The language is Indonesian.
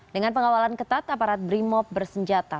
dengan pengawalan ketat aparat brimob bersenjata